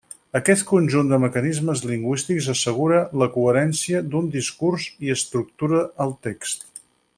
Aquest conjunt de mecanismes lingüístics assegura la coherència d'un discurs i estructura el text.